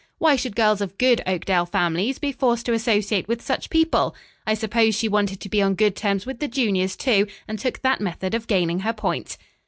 Why should girls of good Oakdale families be forced to associate with such people? I suppose she wanted to be on good terms with the juniors, too, and took that method of gaining her point."